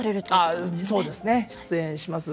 そうですね出演します。